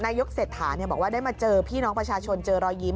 ยกเศรษฐาบอกว่าได้มาเจอพี่น้องประชาชนเจอรอยยิ้ม